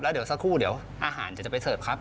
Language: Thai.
แล้วเดี๋ยวสักครู่เดี๋ยวอาหารจะไปเซิร์ฟครับ